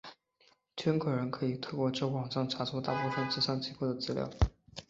捐款人可以透过这网站查出大部份慈善机构的资料。